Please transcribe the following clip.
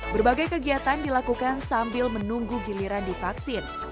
berbagai kegiatan dilakukan sambil menunggu giliran divaksin